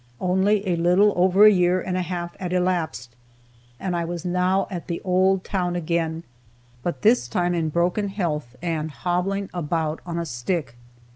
Only a little over a year and a half had elapsed, and I was now at the old town again, but this time in broken health, and hobbling about on a stick.